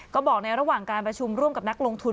ก็บอกในระหว่างการประชุมร่วมกับนักลงทุน